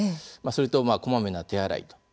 それと、こまめな手洗いと。